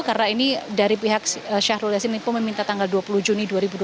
karena ini dari pihak syahrul yassin limpo meminta tanggal dua puluh juni dua ribu dua puluh tiga